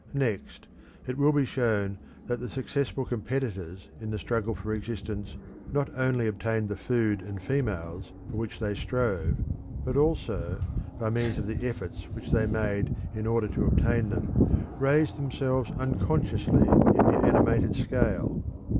Next, it will be shown that the successful competitors in the struggle for existence not only obtained the food and females for which they strove, but also, by means of the efforts which they made in order to obtain them, raised themselves unconsciously in the animated scale.